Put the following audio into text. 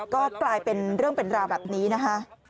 ก็กลายเป็นเรื่องเป็นราวแบบนี้นะคะ